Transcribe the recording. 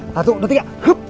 satu dua tiga